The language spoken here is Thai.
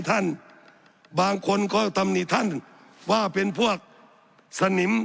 สับขาหลอกกันไปสับขาหลอกกันไป